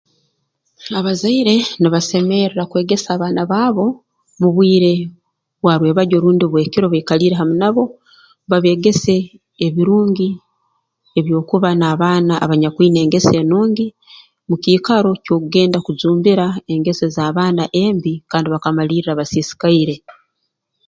Abazaire nibasemerra kwegesa abaana baabo mu bwire bwa rwebagyo rundi bw'ekiro baikaliire hamu nabo babeegese ebirungi eby'okuba n'abaana abanyakwine engeso enungi mu kiikaro ky'okugenda kujumbira engeso ez'abaana embi kandi bakamalirra basiisikaire